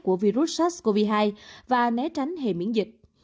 của virus sars cov hai và né tránh hề miễn dịch